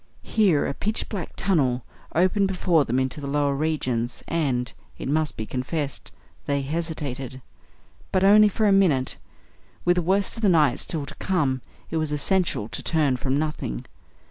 Here a pitch black tunnel opened before them into the lower regions, and it must be confessed they hesitated. But only for a minute. With the worst of the night still to come it was essential to turn from nothing.